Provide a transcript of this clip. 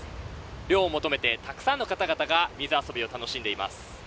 涼を求めてたくさんの方々が水遊びを楽しんでいます。